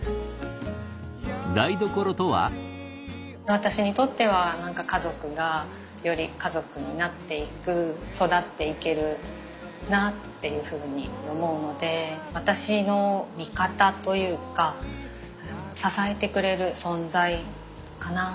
私にとっては家族がより家族になっていく育っていけるなっていうふうに思うので私の味方というか支えてくれる存在かなと思います。